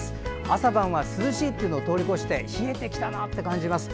朝晩は涼しいというのを通り越して冷えてきたなと感じます。